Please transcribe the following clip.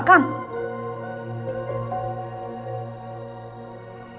makanan dari semalam belum dimakan